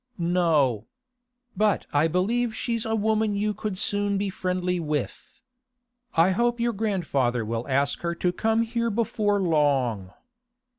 'No. But I believe she's a woman you could soon be friendly with. I hope your grandfather will ask her to come here before long.